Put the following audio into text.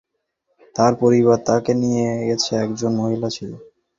তার পারিবার তাকে নিয়ে গেছে একজন মহিলা ছিল।